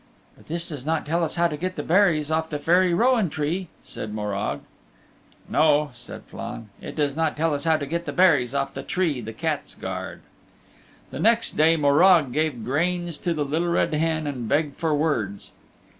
"But this does not tell us how to get the berries off the Fairy Rowan Tree," said Morag. "No," said Flann, "it does not tell us how to get the berries off the tree the cats guard." The next day Morag gave grains to the Little Red Hen and begged for words.